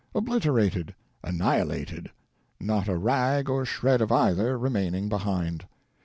— obliterated — annihilated — not a rag or shred of either remaining behind.